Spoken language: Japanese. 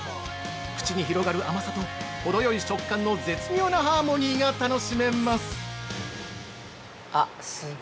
口に広がる甘さとほどよい食感の絶妙なハーモニーが楽しめます！